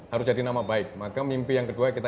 harus jadi nama baik maka mimpi yang kedua kita